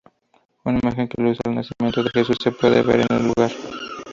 Una imagen que ilustra el nacimiento de Jesús se puede ver en el lugar.